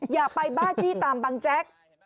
อย่าไปบ้าจี้ตามบังแจ๊ก